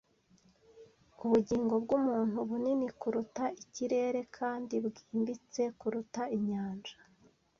Ubugingo bwumuntu bunini kuruta ikirere kandi bwimbitse kuruta inyanja.